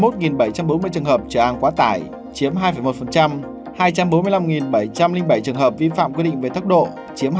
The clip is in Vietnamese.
hai mươi một bảy trăm bốn mươi trường hợp trở an quá tải chiếm hai một hai trăm bốn mươi năm bảy trăm linh bảy trường hợp vi phạm quy định về thấp độ chiếm hai mươi bốn